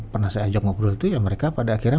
pernah saya ajak ngobrol itu ya mereka pada akhirnya